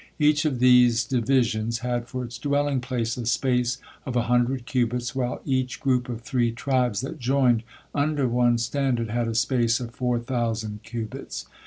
Each of theses divisions had for its dwelling place a space of a hundred cubits, while each group of three tribes that joined under one standard had a space of four thousand cubits.